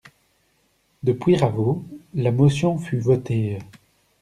De Puyraveau, la motion fut votée.